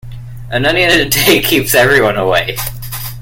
An onion a day keeps everyone away.